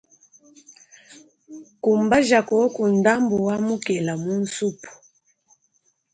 Kumbaja koku ndambu wa mukela mu nsupu.